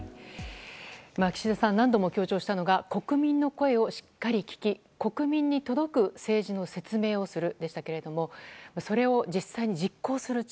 岸田さんが何度も強調したのが国民の声をしっかり聞き国民に届く説明をするということでしたがそれを実際に実行する力。